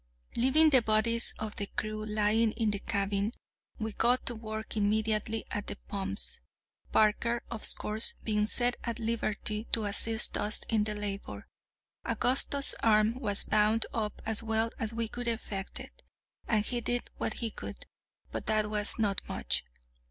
Leaving the bodies of the crew lying in the cabin, we got to work immediately at the pumps—Parker, of course, being set at liberty to assist us in the labour. Augustus's arm was bound up as well as we could effect it, and he did what he could, but that was not much.